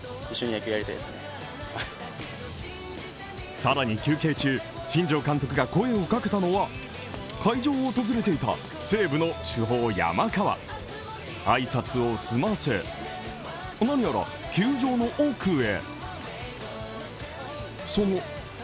さらに休憩中、新庄監督が声をかけたのは会場を訪れていた西武の主砲山川挨拶を済ませ何やら球場の奥へ。